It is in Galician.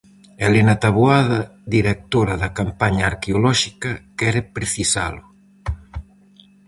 Elena Taboada, directora da campaña arqueolóxica, quere precisalo.